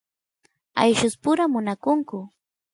ayllus pura munakunku